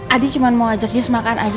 adi cuma mau ajak jis makan aja